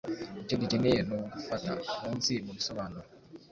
Icyo dukeneye ni ugufata munsi mubisobanuro